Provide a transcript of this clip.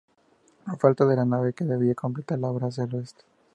Falta la nave que debía completar la obra hacia al oeste.